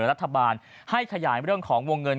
รัฐบาลให้ขยายเรื่องของวงเงิน